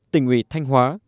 tỉnh ủy thanh hóa